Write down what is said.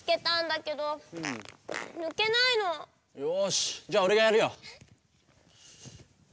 じゃあおれがやるよ。